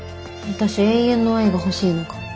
私永遠の愛が欲しいのかも。